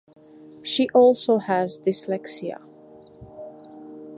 She also has dyslexia.